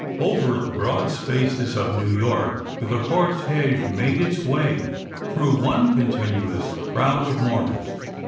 Over the broad spaces of New York the cortege made its way, through one continuous crowd of mourners.